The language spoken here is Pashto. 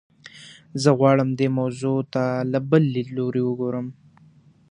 زه غواړم دې موضوع ته له بل لیدلوري وګورم.